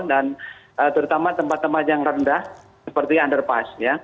dan terutama tempat tempat yang rendah seperti underpass